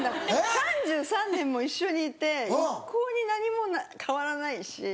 ３３年も一緒にいて一向に何も変わらないし。